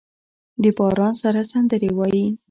د باران سره سندرې وايي